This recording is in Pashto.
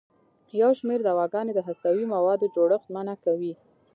یو شمېر دواګانې د هستوي موادو جوړښت منع کوي.